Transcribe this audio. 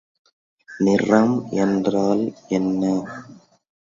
நிறம் என்றால் என்ன?